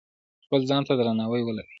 خپل ځان ته درناوی ولرئ.